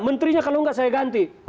menterinya kalau enggak saya ganti